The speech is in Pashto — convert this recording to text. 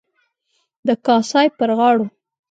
د کاسای پر غاړو.